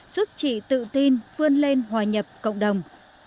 giúp chị tự tin vươn lên hòa nhập cộng đồng